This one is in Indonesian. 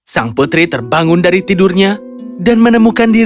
sang putri terbangun dari tidurnya dan menemukan dirinya